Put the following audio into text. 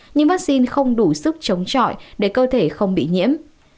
nhưng vaccine không đủ sức chống trọi để cơ thể không bị nhiễm